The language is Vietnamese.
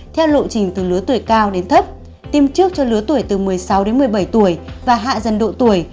theo lộ trình từ lứa tuổi cao đến thấp tim trước cho lứa tuổi từ một mươi sáu đến một mươi bảy tuổi và hạ dần độ tuổi